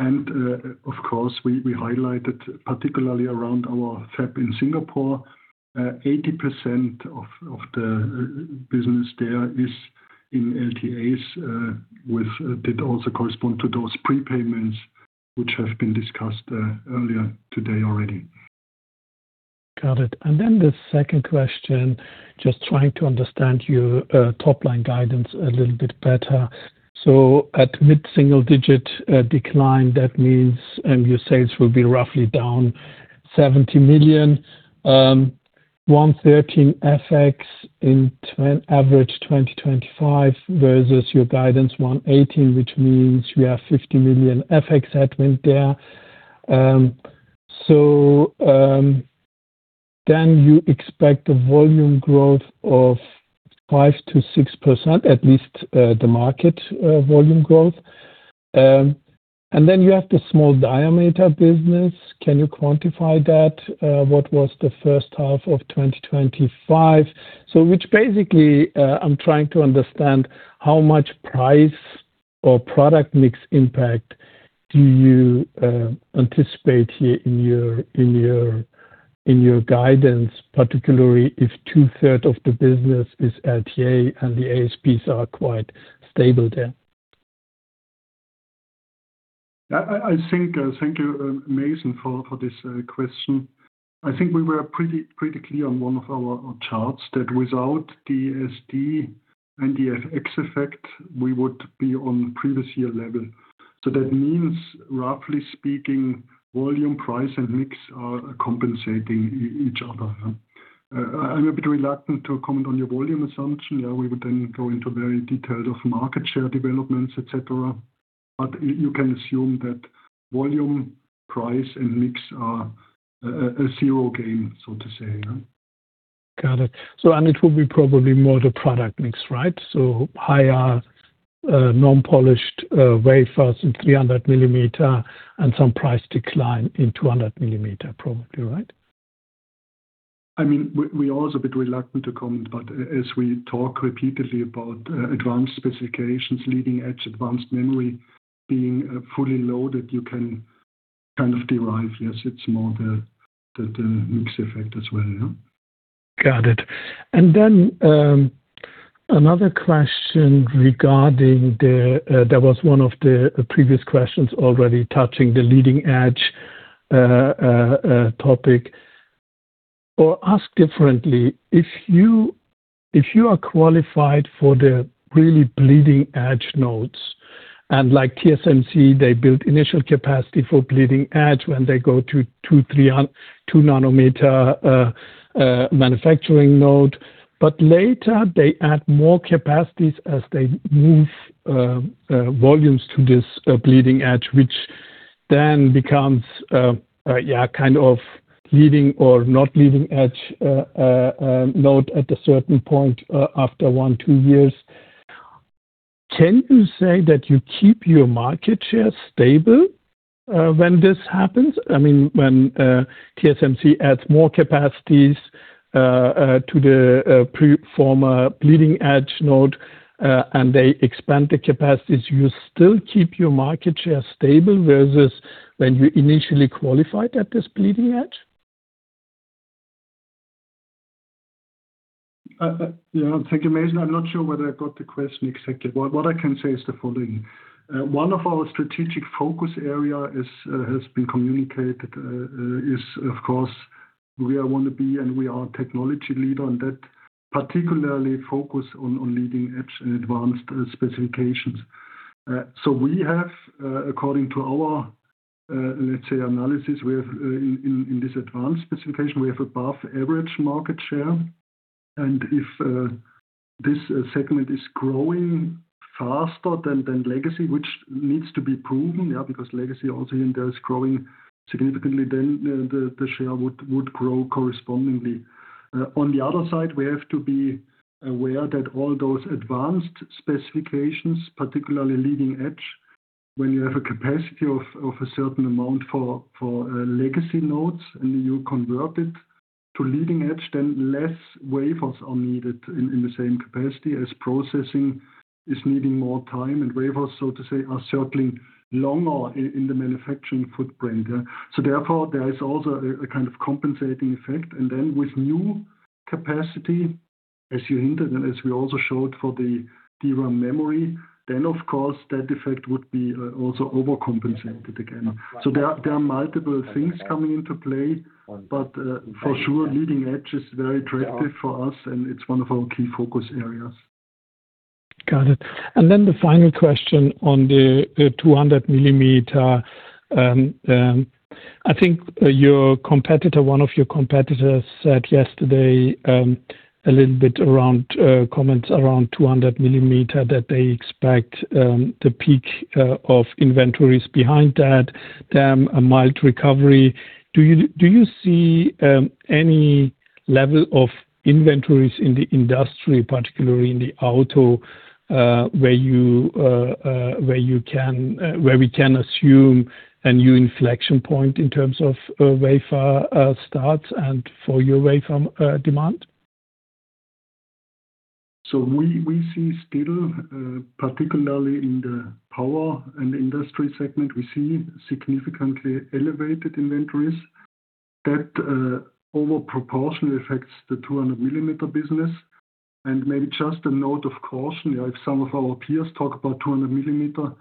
Of course, we highlighted particularly around our fab in Singapore, 80% of the business there is in LTAs with that also correspond to those prepayments which have been discussed earlier today already. Got it. The second question, just trying to understand your top-line guidance a little bit better. At mid-single-digit decline, that means your sales will be roughly down 70 million, 113 million FX in average 2025 versus your guidance 118, which means we have 50 million FX headwind there. You expect a volume growth of 5%-6%, at least the market volume growth. You have the small diameter business. Can you quantify that? What was the first half of 2025? Which basically, I'm trying to understand how much price or product mix impact do you anticipate here in your guidance, particularly if two-thirds of the business is LTA and the ASPs are quite stable there. I think thank you, Mason, for this question. I think we were pretty clear on one of our charts that without the SD and the FX effect, we would be on previous year level. That means, roughly speaking, volume, price, and mix are compensating each other. I'm a bit reluctant to comment on your volume assumption. Yeah, we would then go into very detailed of market share developments, et cetera. You can assume that volume, price, and mix are a zero gain, so to say. Yeah. Got it. It will be probably more the product mix, right? Higher, non-polished, wafers in 300 millimeter and some price decline in 200 millimeter probably, right? I mean, we are also a bit reluctant to comment, but as we talk repeatedly about advanced specifications, leading-edge advanced memory being fully loaded, you can kind of derive, yes, it's more the mix effect as well. Yeah. Got it. Another question regarding that was one of the previous questions already touching the leading-edge topic. Ask differently, if you are qualified for the really bleeding-edge nodes, and like TSMC, they build initial capacity for bleeding-edge when they go to 2-nanometer manufacturing node. Later, they add more capacities as they move volumes to this bleeding-edge, which then becomes, yeah, kind of leading or not leading-edge node at a certain point after 1-2 years. Can you say that you keep your market share stable when this happens? I mean, when TSMC adds more capacities to the former bleeding-edge node, and they expand the capacities, you still keep your market share stable versus when you initially qualified at this bleeding edge? Yeah. Thank you, Mason. I'm not sure whether I got the question exactly. What I can say is the following. One of our strategic focus area has been communicated, is of course, we want to be and we are a technology leader, and that particularly focus on leading-edge and advanced specifications. So we have, according to our, let's say, analysis, we have in this advanced specification, we have above average market share. If this segment is growing faster than legacy, which needs to be proven, yeah, because legacy also in there is growing significantly, then the share would grow correspondingly. On the other side, we have to be aware that all those advanced specifications, particularly leading edge, when you have a capacity of a certain amount for legacy nodes, and you convert it to leading edge, then less wafers are needed in the same capacity as processing is needing more time and wafers, so to say, are circling longer in the manufacturing footprint. Therefore, there is also a kind of compensating effect. With new capacity. As you hinted and as we also showed for the DRAM memory, then of course that effect would be also overcompensated again. There are multiple things coming into play. For sure, leading edge is very attractive for us, and it's one of our key focus areas. Got it. The final question on the 200 millimeter. I think your competitor, one of your competitors said yesterday a little bit around comments around 200 millimeter that they expect the peak of inventories behind that, then a mild recovery. Do you see any level of inventories in the industry, particularly in the auto where we can assume a new inflection point in terms of wafer starts and for your wafer demand? We see still particularly in the Power and Industry segment, we see significantly elevated inventories that over proportionally affects the 200 millimeter business. Maybe just a note of caution. If some of our peers talk about 200 millimeter,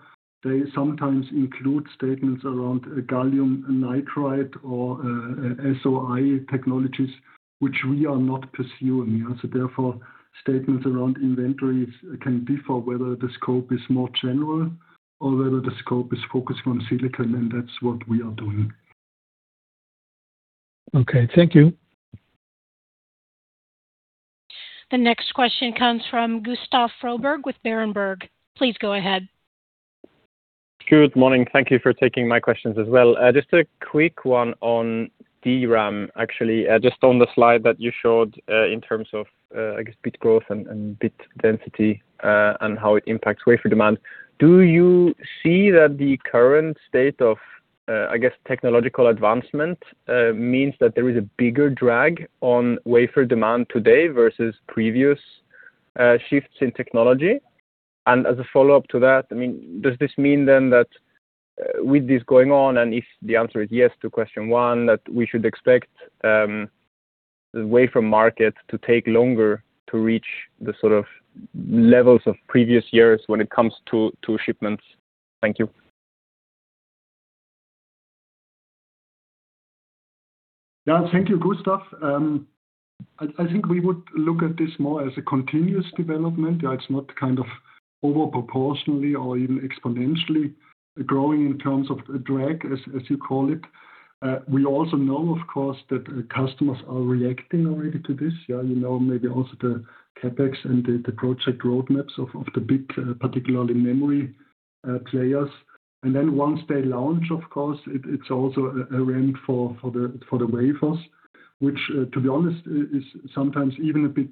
they sometimes include statements around gallium nitride or SOI technologies, which we are not pursuing. Therefore, statements around inventories can differ whether the scope is more general or whether the scope is focused on silicon, and that's what we are doing. Okay. Thank you. The next question comes from Gustav Froberg with Berenberg. Please go ahead. Good morning. Thank you for taking my questions as well. Just a quick one on DRAM, actually, just on the slide that you showed, in terms of, I guess, bit growth and bit density, and how it impacts wafer demand. Do you see that the current state of, I guess, technological advancement, means that there is a bigger drag on wafer demand today versus previous, shifts in technology? As a follow-up to that, I mean, does this mean then that with this going on, and if the answer is yes to question one, that we should expect, the wafer market to take longer to reach the sort of levels of previous years when it comes to shipments? Thank you. Yeah. Thank you, Gustav. I think we would look at this more as a continuous development. It's not kind of over proportionally or even exponentially growing in terms of drag, as you call it. We also know, of course, that customers are reacting already to this. You know, maybe also the CapEx and the project roadmaps of the big, particularly memory, players. Then once they launch, of course, it's also a ramp for the wafers. Which, to be honest, is sometimes even a bit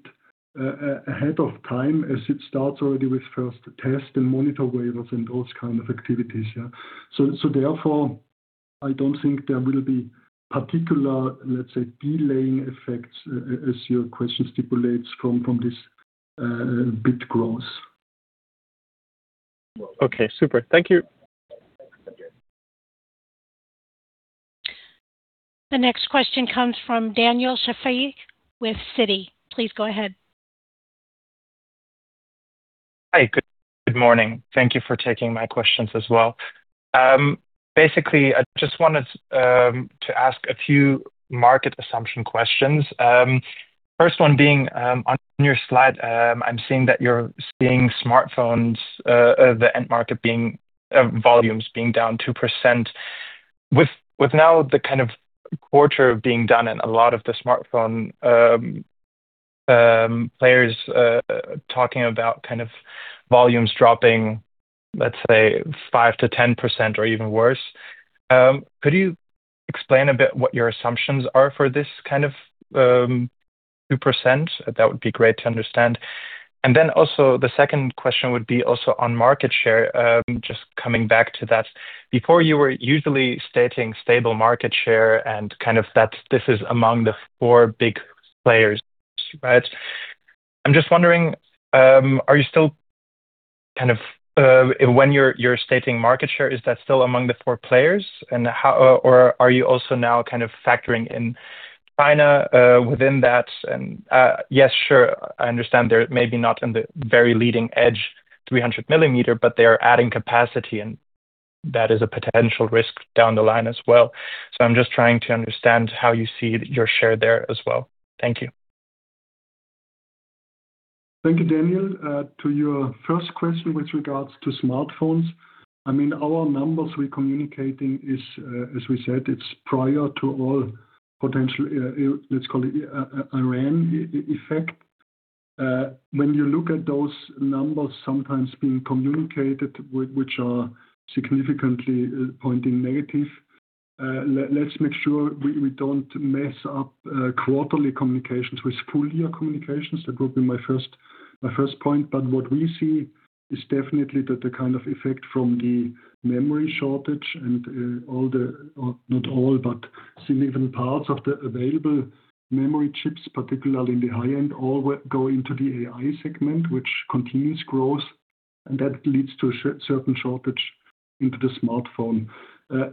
ahead of time as it starts already with first test and monitor wafers and those kind of activities, yeah. Therefore, I don't think there will be particular, let's say, delaying effects, as your question stipulates from this bit growth. Okay. Super. Thank you. The next question comes from Daniel Schafei with Citi. Please go ahead. Hi. Good morning. Thank you for taking my questions as well. Basically, I just wanted to ask a few market assumption questions. First one being on your slide, I'm seeing that you're seeing smartphones, the end market being volumes being down 2%. With now the kind of quarter being done and a lot of the smartphone players talking about kind of volumes dropping, let's say 5%-10% or even worse, could you explain a bit what your assumptions are for this kind of 2%? That would be great to understand. Then also the second question would be also on market share, just coming back to that. Before you were usually stating stable market share and kind of that this is among the four big players, right? I'm just wondering, are you still kind of when you're stating market share, is that still among the four players? Or are you also now kind of factoring in China, within that? Yes, sure. I understand they're maybe not in the very leading edge 300 millimeter, but they are adding capacity and that is a potential risk down the line as well. I'm just trying to understand how you see your share there as well. Thank you. Thank you, Daniel. To your first question with regards to smartphones. I mean, our numbers we're communicating is, as we said, it's prior to all potential, let's call it a tariff effect. When you look at those numbers sometimes being communicated which are significantly pointing negative, let's make sure we don't mess up, quarterly communications with full year communications. That would be my first point. What we see is definitely that the kind of effect from the memory shortage and, all the. Not all, but significant parts of the available memory chips, particularly in the high end, all go into the AI segment, which continues growth. That leads to a certain shortage into the smartphone.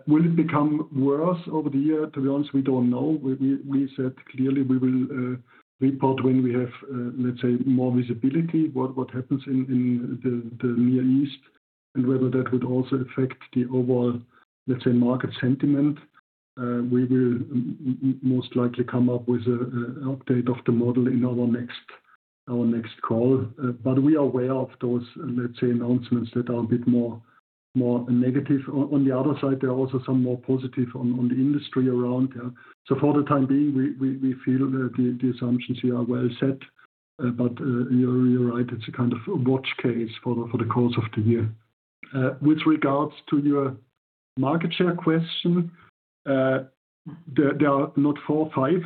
Will it become worse over the year? To be honest, we don't know. We said clearly we will report when we have let's say more visibility what happens in the Near East and whether that would also affect the overall let's say market sentiment. We will most likely come up with an update of the model in our next call. We are aware of those let's say announcements that are a bit more negative. On the other side there are also some more positive on the industry around. For the time being we feel the assumptions here are well set. You're right it's a kind of a worst case for the course of the year. With regards to your market share question, there are not four or five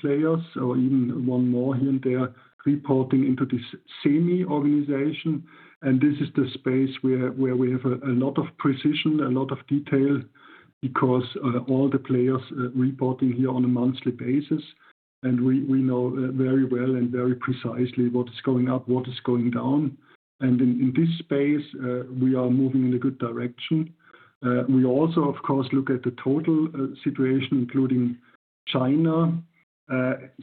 players or even one more here and there reporting into this SEMI organization. This is the space where we have a lot of precision, a lot of detail, because all the players reporting here on a monthly basis. We know very well and very precisely what is going up, what is going down. In this space, we are moving in a good direction. We also, of course, look at the total situation, including China.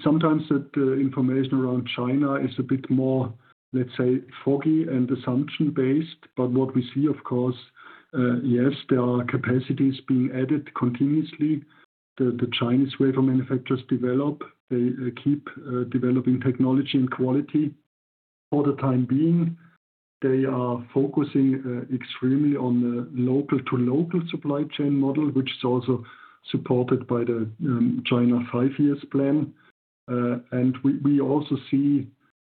Sometimes that information around China is a bit more, let's say, foggy and assumption-based. But what we see, of course, yes, there are capacities being added continuously. The Chinese wafer manufacturers develop. They keep developing technology and quality. For the time being, they are focusing extremely on the local to local supply chain model, which is also supported by the China five-year plan. We also see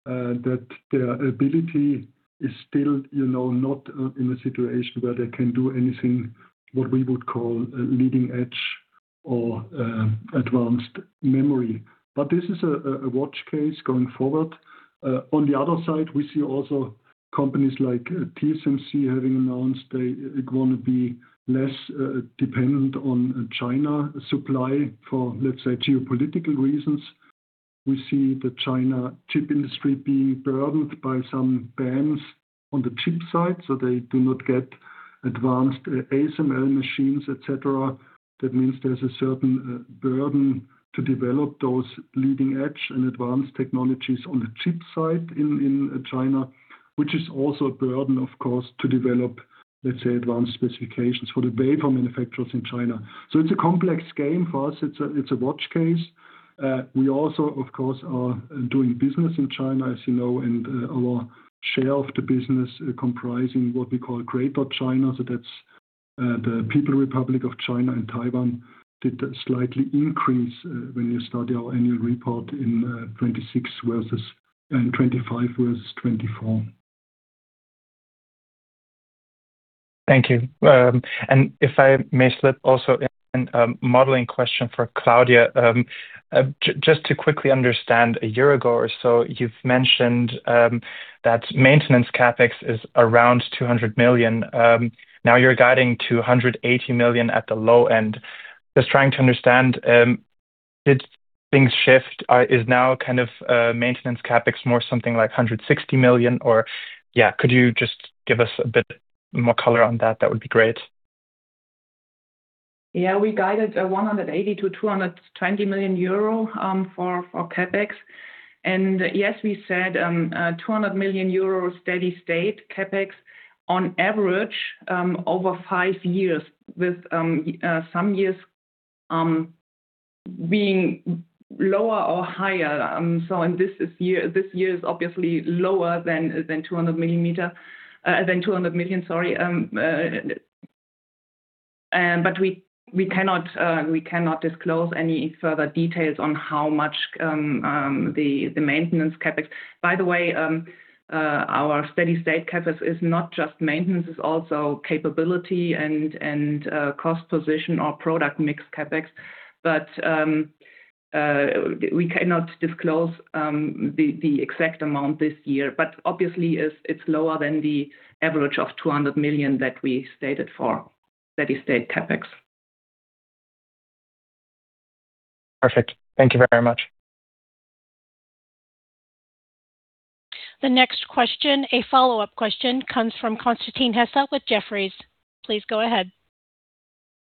that their ability is still, you know, not in a situation where they can do anything what we would call a leading edge or advanced memory. This is a worst case going forward. On the other side, we see also companies like TSMC having announced they wanna be less dependent on Chinese supply for, let's say, geopolitical reasons. We see the Chinese chip industry being burdened by some bans on the chip side, so they do not get advanced ASML machines, et cetera. That means there's a certain burden to develop those leading edge and advanced technologies on the chip side in China, which is also a burden, of course, to develop, let's say, advanced specifications for the wafer manufacturers in China. It's a complex game for us. It's a worst case. We also, of course, are doing business in China, as you know, and our share of the business comprising what we call Greater China, so that's the People's Republic of China and Taiwan, did slightly increase when you study our annual report in 2026 versus 2025 versus 2024. Thank you. If I may slip also in a modeling question for Claudia. Just to quickly understand, a year ago or so, you've mentioned that maintenance CapEx is around 200 million. Now you're guiding 280 million at the low end. Just trying to understand, did things shift? Is now kind of maintenance CapEx more something like 160 million or? Yeah, could you just give us a bit more color on that? That would be great. Yeah. We guided 180 million-220 million euro for CapEx. Yes, we said 200 million euro steady-state CapEx on average over five years with some years being lower or higher. This year is obviously lower than 200 million, sorry. We cannot disclose any further details on how much the maintenance CapEx. By the way, our steady-state CapEx is not just maintenance, it's also capability and cost position or product mix CapEx. We cannot disclose the exact amount this year. Obviously it's lower than the average of 200 million that we stated for steady-state CapEx. Perfect. Thank you very much. The next question, a follow-up question, comes from Constantin Hesse with Jefferies. Please go ahead.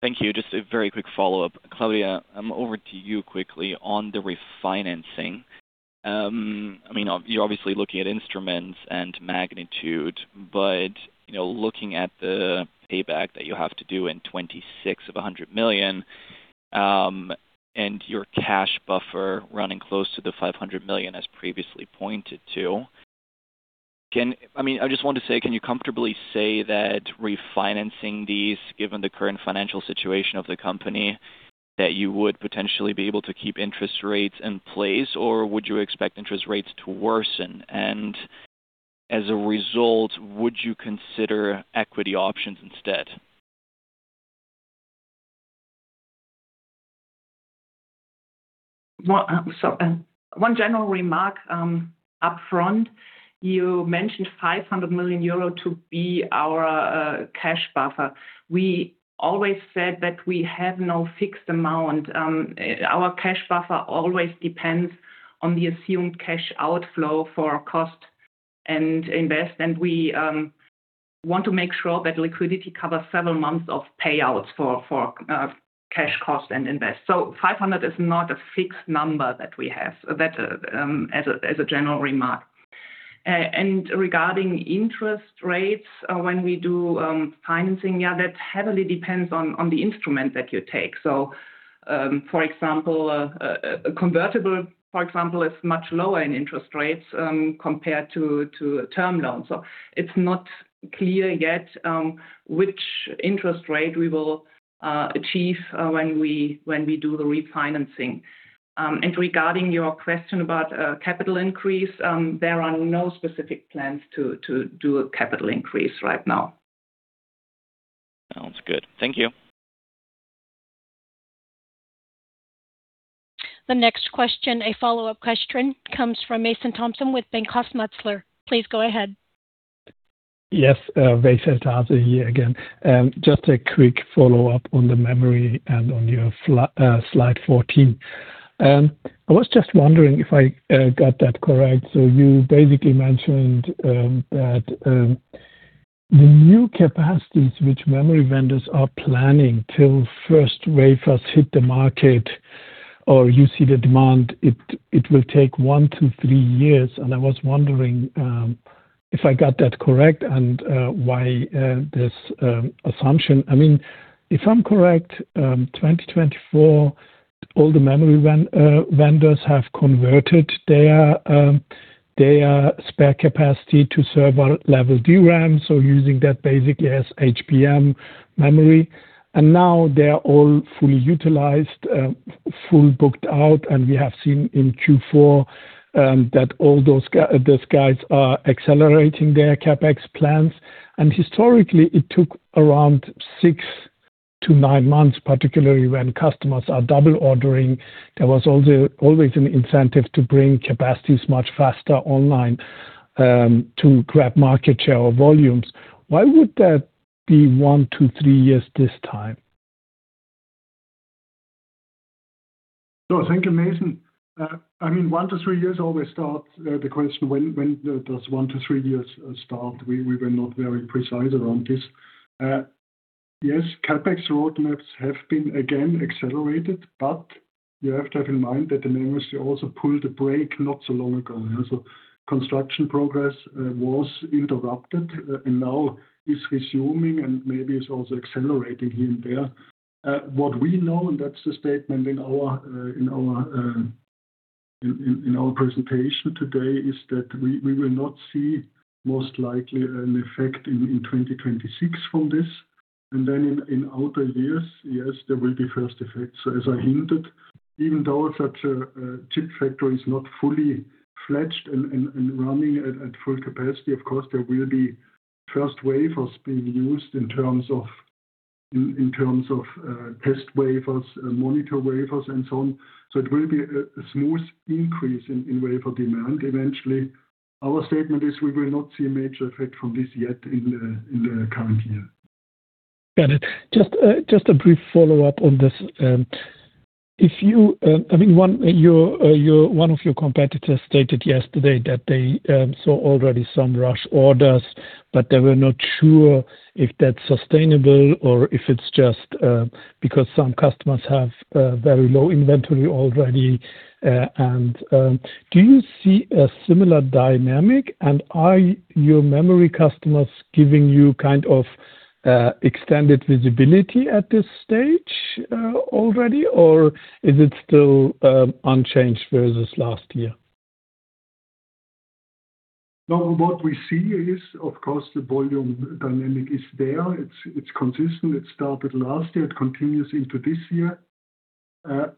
Thank you. Just a very quick follow-up. Claudia, over to you quickly on the refinancing. I mean you're obviously looking at instruments and magnitude, but, you know, looking at the payback that you have to do in 2026 of 100 million, and your cash buffer running close to the 500 million as previously pointed to. I mean, I just want to say, can you comfortably say that refinancing these, given the current financial situation of the company, that you would potentially be able to keep interest rates in place, or would you expect interest rates to worsen? As a result, would you consider equity options instead? Well, one general remark upfront. You mentioned 500 million euro to be our cash buffer. We always said that we have no fixed amount. Our cash buffer always depends on the assumed cash outflow for our costs and investments, and we want to make sure that liquidity covers several months of payouts for cash costs and investments. 500 is not a fixed number that we have. That's as a general remark. Regarding interest rates, when we do financing, that heavily depends on the instrument that you take. For example, a convertible, for example, is much lower in interest rates compared to a term loan. It's not clear yet which interest rate we will achieve when we do the refinancing. Regarding your question about capital increase, there are no specific plans to do a capital increase right now. Sounds good. Thank you. The next question, a follow-up question, comes from [Mason Thompson] with Bankhaus Metzler. Please go ahead. Yes. [Mason Thompson] here again. Just a quick follow-up on the memory and on your slide 14. I was just wondering if I got that correct. You basically mentioned that the new capacities which memory vendors are planning till first wafers hit the market or you see the demand, it will take 1-3 years. I was wondering if I got that correct, and why this assumption. I mean, if I'm correct, 2024, all the memory vendors have converted their spare capacity to server-level DRAM, so using that basically as HBM memory. Now they're all fully utilized, full booked out. We have seen in Q4 that all those guys are accelerating their CapEx plans. Historically, it took around 6-9 months, particularly when customers are double ordering. There was also always an incentive to bring capacities much faster online, to grab market share or volumes. Why would that be 1-3 years this time? No, thank you, Mason. I mean, one to three years always starts the question when does one to three years start? We were not very precise around this. Yes, CapEx roadmaps have been again accelerated, but you have to have in mind that the memory also pulled the brake not so long ago. So construction progress was interrupted and now is resuming and maybe is also accelerating here and there. What we know, and that's the statement in our presentation today, is that we will not see most likely an effect in 2026 from this. Then in outer years, yes, there will be first effects. As I hinted, even though such a chip factory is not fully fledged and running at full capacity, of course there will be first wafers being used in terms of test wafers, monitor wafers, and so on. It will be a smooth increase in wafer demand eventually. Our statement is we will not see a major effect from this yet in the current year. Got it. Just a brief follow-up on this. I mean, one of your competitors stated yesterday that they saw already some rush orders, but they were not sure if that's sustainable or if it's just because some customers have very low inventory already. Do you see a similar dynamic? Are your memory customers giving you kind of extended visibility at this stage already, or is it still unchanged versus last year? No, what we see is of course the volume dynamic is there. It's consistent. It started last year. It continues into this year.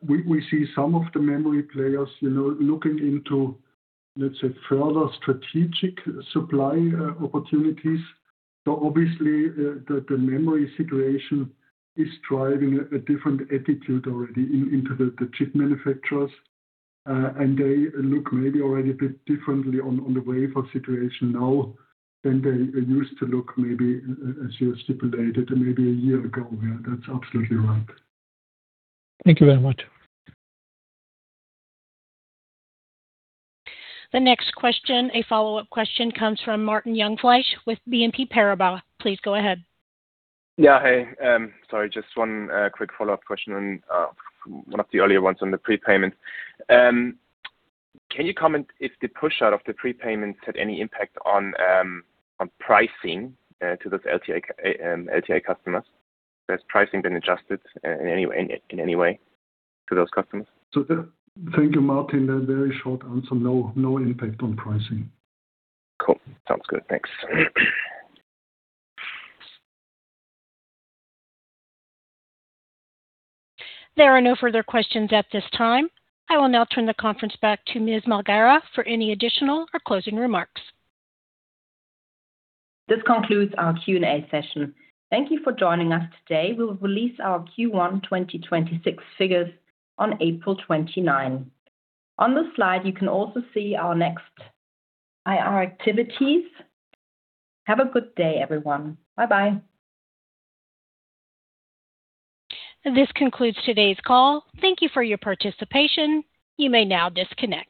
We see some of the memory players, you know, looking into, let's say, further strategic supply opportunities. Obviously the memory situation is driving a different attitude already into the chip manufacturers. They look maybe already a bit differently on the wafer situation now than they used to look maybe, as you stipulated, maybe a year ago. Yeah, that's absolutely right. Thank you very much. The next question, a follow-up question, comes from Martin Jungfleisch with BNP Paribas. Please go ahead. Sorry, just one quick follow-up question on one of the earlier ones on the prepayment. Can you comment if the push out of the prepayment had any impact on pricing to those LTA customers? Has pricing been adjusted in any way to those customers? Yeah. Thank you, Martin. A very short answer, no. No impact on pricing. Cool. Sounds good. Thanks. There are no further questions at this time. I will now turn the conference back to Ms. Malgara for any additional or closing remarks. This concludes our Q&A session. Thank you for joining us today. We will release our Q1 2026 figures on April 29. On this slide, you can also see our next IR activities. Have a good day, everyone. Bye-bye. This concludes today's call. Thank you for your participation. You may now disconnect.